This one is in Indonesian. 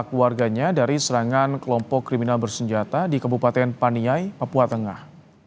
keluarganya dari serangan kelompok kriminal bersenjata di kebupaten paniai papua tengah